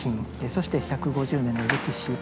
そして１５０年の歴史